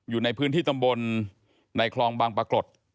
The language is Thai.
อยู่ในพื้นที่ตำบลในคลองบางปรากฏ